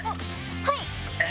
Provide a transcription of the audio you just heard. はい！